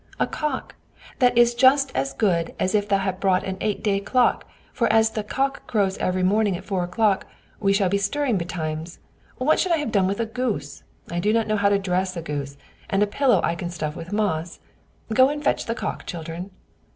A cock! that is just as good as if thou hadst bought an eight day clock; for as the cock crows every morning at four o'clock, we can be stirring betimes. What should I have done with a goose? I do not know how to dress a goose, and my pillow I can stuff with moss. Go and fetch in the cock, children."